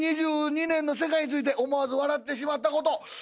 ２０２２年の世界について思わず笑ってしまったこと。